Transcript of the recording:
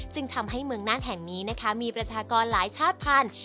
จึงทำให้เมืองน่านแห่งนี้นะคะมีประชากรหลายชาติพันธุ